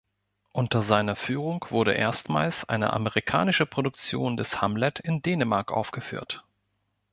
Unter seiner Führung wurde erstmals eine amerikanische Produktion des Hamlet in Dänemark aufgeführt.